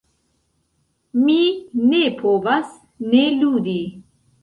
Mi ne povas ne ludi.